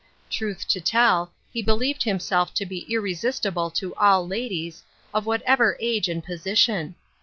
Truth to tell, he believed himself to be irresistible to all ladies, of whatever age and position.